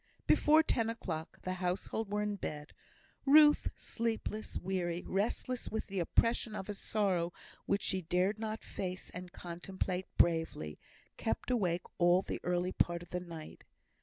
Before ten o'clock, the household were in bed. Ruth, sleepless, weary, restless with the oppression of a sorrow which she dared not face and contemplate bravely, kept awake all the early part of the night.